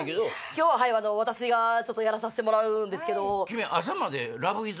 今日は私がやらさしてもらうんですけど。